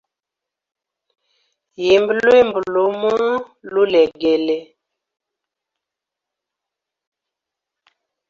Yimba lwimbo lumo lulegele.